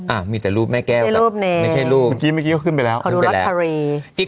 อ่ะมีแต่รูปแม่แก้วไม่ใช่รูปไม่ใช่รูปเมื่อกี้เมื่อกี้เขาขึ้นไปแล้วเขาดูลอตเตอรี่